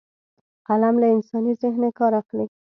قلم له انساني ذهنه کار اخلي